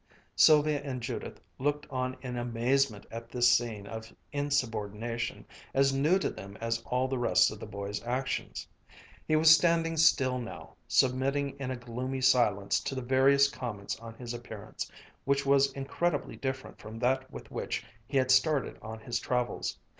Sylvia and Judith looked on in amazement at this scene of insubordination, as new to them as all the rest of the boy's actions. He was standing still now, submitting in a gloomy silence to the various comments on his appearance, which was incredibly different from that with which he had started on his travels.